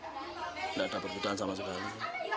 tidak ada perbedaan sama sekali